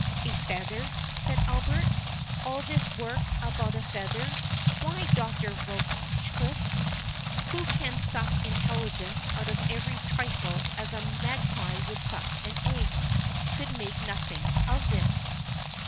"A feather," said Albert; "all this work about a feather! Why, Doctor Rochecliffe, who can suck intelligence out of every trifle as a magpie would suck an egg, could make nothing of this."